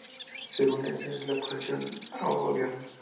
según estén en la oposición o gobierno